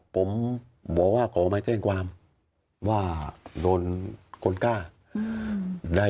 ผมบอกว่าขอไม่แจ้งความว่าโดนคนกล้า